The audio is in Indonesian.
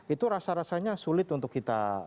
itu rasa rasanya sulit untuk kita